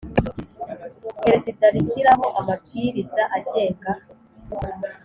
Perezida rishyiraho amabwiriza agenga